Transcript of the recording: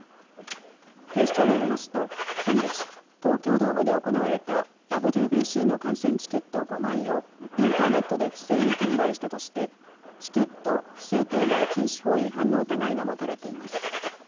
警視庁によりますと先月、東京ドームで行われたＷＢＣの観戦チケット５枚をインターネットで不正に転売したとしてチケット不正転売禁止法違反の疑いが持たれています。